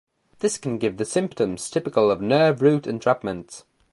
This can give the symptoms typical of nerve root entrapment.